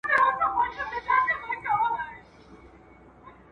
هغه مهال چې درناوی وشي، سپکاوی به ونه شي.